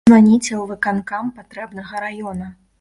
Званіце ў выканкам патрэбнага раёна.